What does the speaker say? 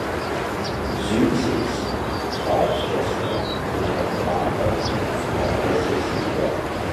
Zeuxis, by its gesture, became part of Parrhasius' work.